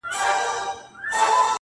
په سپينه زنه كي خال ووهي ويده سمه زه,